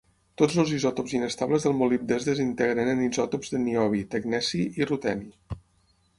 Tots els isòtops inestables del molibdè es desintegren en isòtops de niobi, tecneci i ruteni.